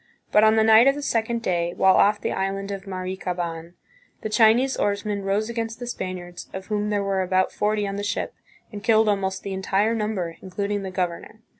But on the night of the second day, while off the island of Marikaban, the Chinese oarsmen rose against the Spaniards, of whom there were about forty on the ship, and killed almost the entire number, including the governor.